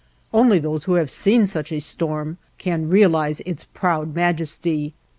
Only those who have seen such a storm can realize its proud majesty.